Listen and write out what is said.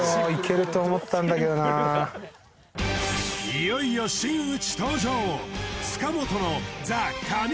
いよいよ真打ち登場！